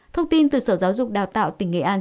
thông tin từ sở giáo dục đào tạo tỉnh nghệ an